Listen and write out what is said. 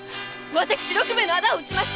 私六兵衛の仇を討ちます！